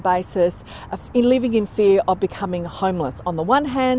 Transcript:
yang hidup dengan ketakutan menjadi orang yang tidak berkembang